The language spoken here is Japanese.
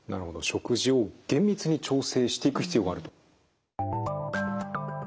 食事を厳密に調整していく必要があると。